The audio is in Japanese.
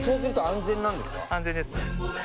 安全です。